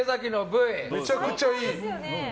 めちゃくちゃいい。